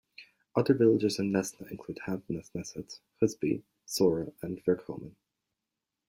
Other villages in Nesna include Handnesneset, Husby, Saura, and Vikholmen.